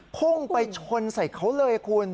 พุ่งไปชนใส่เขาเลยคุณ